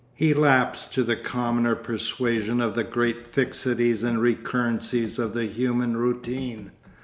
He lapsed to the commoner persuasion of the great fixities and recurrencies of the human routine.